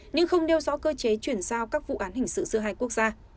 nhưng không đeo rõ cơ chế chuyển giao các vụ án hình sự giữa hai quốc gia